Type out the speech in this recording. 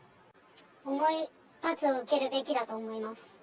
重い罰を受けるべきだと思います。